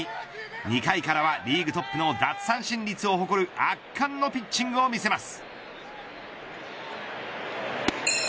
２回からはリーグトップの奪三振率を誇る圧巻のピッチングを見せます。